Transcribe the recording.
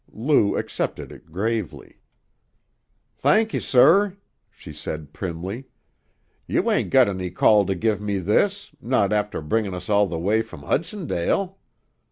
Lou accepted it gravely. "Thank you, sir," she said primly. "You ain't got any call to give me this, not after bringin' us all the way from Hudsondale."